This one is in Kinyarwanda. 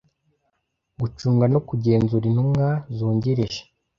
gucunga no kugenzura intumwa zungirije